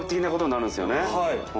はい。